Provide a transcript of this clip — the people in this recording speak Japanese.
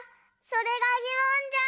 それが疑問ぢゃ！